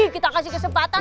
kita kasih kesempatan dong